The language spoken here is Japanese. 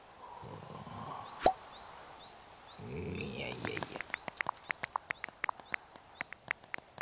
いやいやいや。